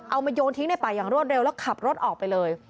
เอามาโยนทิ้งในป่าอย่างรวดเร็วแล้วขับรถออกไปเลย